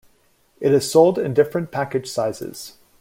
It is sold in different package sizes.